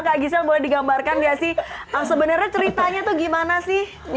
kak gisela boleh digambarkan gak sih sebenarnya ceritanya tuh gimana sih